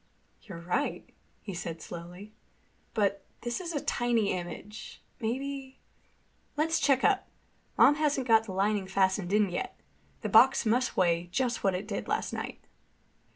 "You're right," he said slowly. "But this is a tiny image. Maybe—" "Let's check up. Mom hasn't got the lining fastened in yet. The box must weigh just what it did last night."